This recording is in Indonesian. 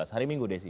hari minggu desi